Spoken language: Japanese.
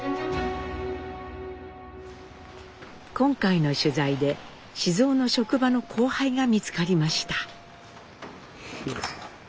今回の取材で雄の職場の後輩が見つかりました。